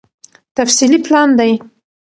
تفصيلي پلان دی